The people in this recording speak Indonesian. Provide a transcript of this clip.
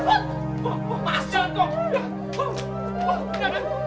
masuk masuk masuk masuk